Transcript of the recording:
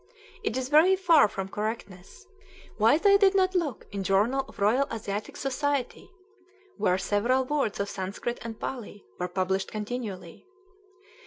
It is very far from correctness. Why they did not look in journal of Royal Asiatic Society, where several words of Sanskrit and Pali were published continually?